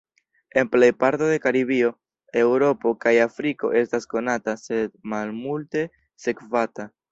En plej parto de Karibio, Eŭropo kaj Afriko estas konata sed malmulte sekvata.